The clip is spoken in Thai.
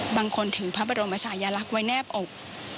บางคนถือพระบรมชายลักษณ์ไว้แนบอก